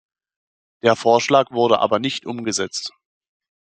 Der Vorschlag wurde aber nicht umgesetzt.